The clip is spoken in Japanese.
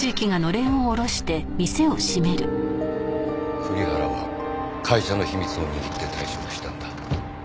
栗原は会社の秘密を握って退職したんだ。